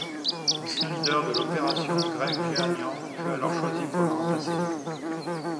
L'ancien leader de l'opération, Greg Jehanian, fut alors choisi pour le remplacer.